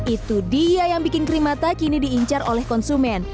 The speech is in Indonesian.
itu dia yang bikin krim mata kini diincar oleh konsumen